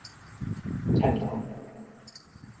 聽唔到